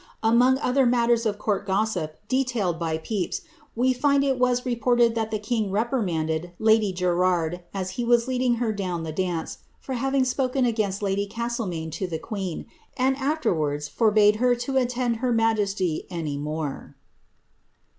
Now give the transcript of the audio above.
ng other matters of court gossip detailed by Pepys, we find it x)rted that the king reprimanded lady Gerard, as he was leading vn the dance, for having spoken against lady Castlemaine to the and afterwards forbade her to attend her majesty any more.